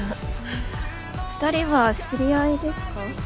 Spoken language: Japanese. ２人は知り合いですか？